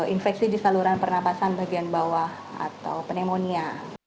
infeksi di saluran pernapasan bagian bawah atau pneumonia